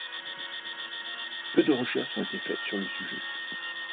Peu de recherches ont été faites sur le sujet.